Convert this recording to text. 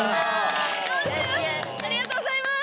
ありがとうございます！